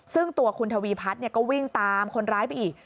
ซึ่งตัวคุณทวีพัฒน์ก็วิ่งตามคนร้ายไปอีก